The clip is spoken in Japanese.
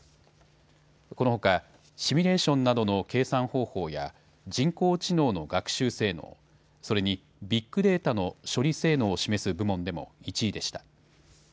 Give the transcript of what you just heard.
このほかシミュレーションなどの計算方法や人工知能の学習性能、それにビッグデータの処理性能を示す部門でも１位でした。